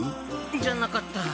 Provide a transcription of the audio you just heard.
じゃなかった。